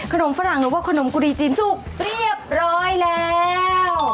ฝรั่งหรือว่าขนมกุหรี่จีนจุกเรียบร้อยแล้ว